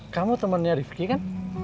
kamu temennya rifqi kan